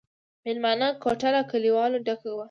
مېلمانه کوټه له کليوالو ډکه وه.